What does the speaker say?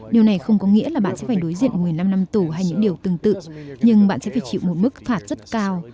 điều này không có nghĩa là bạn sẽ phải đối diện một mươi năm năm tù hay những điều tương tự nhưng bạn sẽ phải chịu một mức phạt rất cao